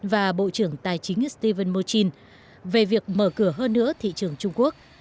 và bộ trưởng tài chính stephen murchin về việc mở cửa hơn nữa thị trường trung quốc